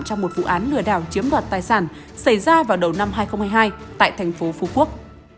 trong một vụ án lừa đảo chiếm đoạt tài sản xảy ra vào đầu năm hai nghìn hai mươi hai tại thành phố phú quốc